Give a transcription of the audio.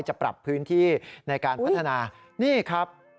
จะปรับพื้นที่ในการพัฒนานี่ครับ